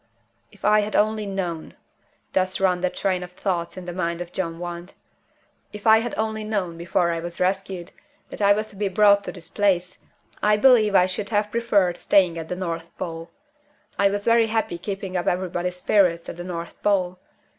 "If I had only known" thus runs the train of thought in the mind of John Want "if I had only known, before I was rescued, that I was to be brought to this place, I believe I should have preferred staying at the North Pole. I was very happy keeping up everybody's spirits at the North Pole.